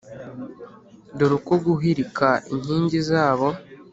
Dore uko guhirika inkingi zabo.